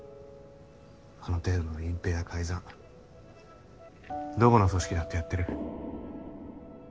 あの程度の隠蔽や改ざんどこの組織だってやってる。